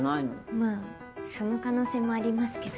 まあその可能性もありますけど。